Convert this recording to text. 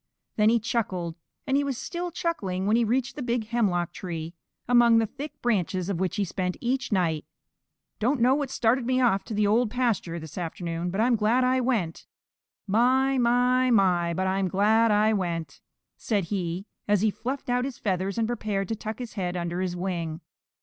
Then he chuckled, and he was still chuckling when he reached the big hemlock tree, among the thick branches of which he spent each night. "Don't know what started me off to the Old Pasture this afternoon, but I'm glad I went. My, my, my, but I'm glad I went," said he, as he fluffed out his feathers and prepared to tuck his head under his wing.